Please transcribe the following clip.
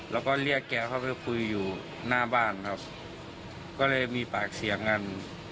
แล้วก็เรียกแกเข้าไปคุยอยู่หน้าบ้านครับก็เลยมีปากเสียงกัน